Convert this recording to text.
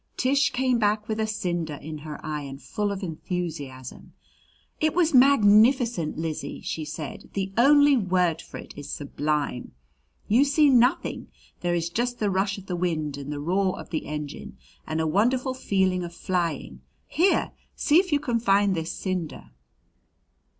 Tish came back with a cinder in her eye and full of enthusiasm. "It was magnificent, Lizzie," she said. "The only word for it is sublime. You see nothing. There is just the rush of the wind and the roar of the engine and a wonderful feeling of flying. Here! See if you can find this cinder."